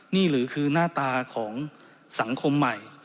นี่หรือคือหน้าตาของสังคมใหม่